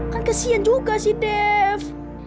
kan kesian juga sih dev